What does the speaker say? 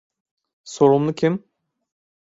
Sorumlu kim?